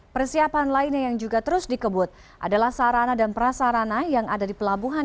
persiapan lainnya yang juga terus dikebut adalah sarana dan prasarana yang ada di pelabuhan